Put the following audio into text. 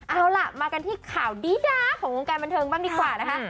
เอาล่ะมากันที่ข่าวดีด้าของวงการบันเทิงบ้างดีกว่านะคะ